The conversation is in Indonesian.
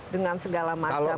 dengan segala macam peralatan